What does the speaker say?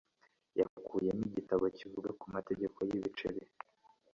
Yakuyemo igitabo kivuga ku mateka y'ibiceri.